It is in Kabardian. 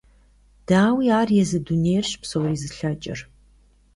Дауи, ар езы дунейрщ, псори зылъэкӀырщ.